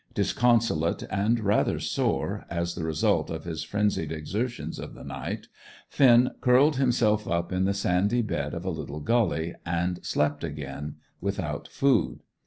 Disconsolate and rather sore, as the result of his frenzied exertions of the night, Finn curled himself up in the sandy bed of a little gully and slept again, without food.